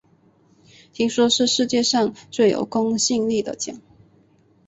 听说是世界上最有公信力的奖